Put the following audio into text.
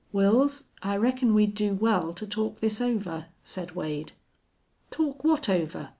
"Wils, I reckon we'd do well to talk this over," said Wade. "Talk what over?"